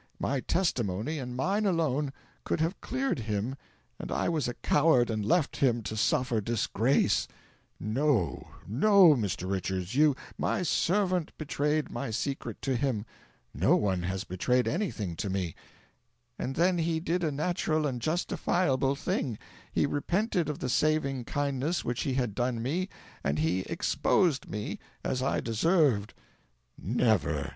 My testimony, and mine alone, could have cleared him, and I was a coward and left him to suffer disgrace " "No no Mr. Richards, you " "My servant betrayed my secret to him " "No one has betrayed anything to me "" And then he did a natural and justifiable thing; he repented of the saving kindness which he had done me, and he EXPOSED me as I deserved " "Never!